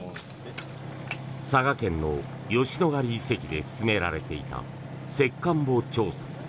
佐賀県の吉野ヶ里遺跡で進められていた石棺墓調査。